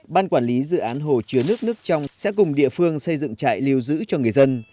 ban quản lý dự án hồ chứa nước nước trong sẽ cùng địa phương xây dựng trại lưu giữ cho người dân